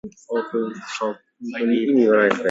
The table below lists some years, but is not a complete list.